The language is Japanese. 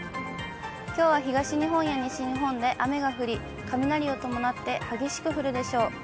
きょうは東日本や西日本で雨が降り、雷を伴って激しく降るでしょう。